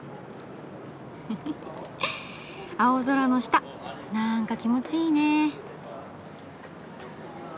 ふふふ青空の下なんか気持ちいいね。